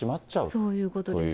そういうことです。